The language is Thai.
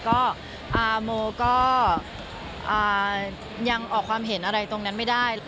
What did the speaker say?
ก็โมก็ยังออกความเห็นอะไรตรงนั้นไม่ได้